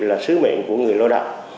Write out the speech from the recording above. là sứ mệnh của người lao động